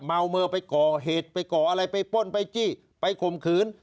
เมามือไปก่อเหตุไปก่ออะไรไปป้นไปจี้ไปข่มขืน